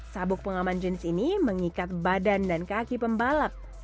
sabuk pengaman jeans ini mengikat badan dan kaki pembalap